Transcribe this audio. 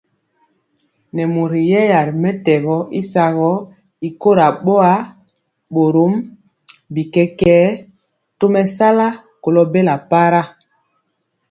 Nɛ mori yɛya ri mɛtɛgɔ y sagɔ y kora boa, borom bi kɛkɛɛ tomesala kolo bela para.